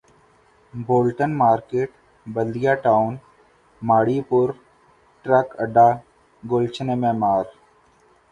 Bolton market Baldia town Maripur truck اڈہ گلشن معمار